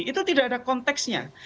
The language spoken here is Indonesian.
itu tidak ada konteksnya